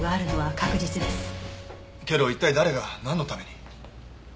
けど一体誰がなんのために？